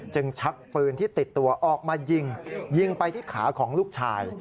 ชักปืนที่ติดตัวออกมายิงยิงไปที่ขาของลูกชาย